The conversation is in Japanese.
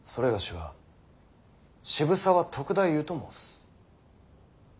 某は渋沢篤太夫と申す。